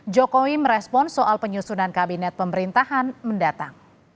jokowi merespon soal penyusunan kabinet pemerintahan mendatang